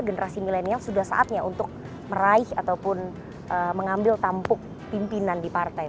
generasi milenial sudah saatnya untuk meraih ataupun mengambil tampuk pimpinan di partai